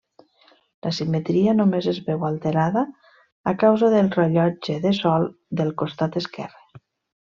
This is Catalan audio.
La simetria només es veu alterada a causa del rellotge de sol del costat esquerre.